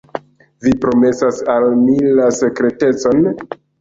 Vi promesas al mi la sekretecon?